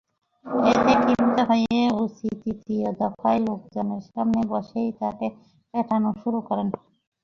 এতে ক্ষিপ্ত হয়ে ওসি তৃতীয় দফায় লোকজনের সামনে বসেই তাকে পেটানো শুরু করেন।